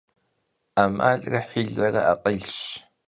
'emalre hilere akhılş.